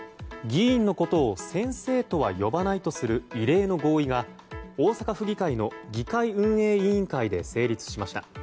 議員のことを「先生」とは呼ばないとする異例の合意が大阪府議会の議会運営委員会で成立しました。